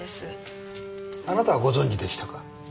あなたはご存じでしたか？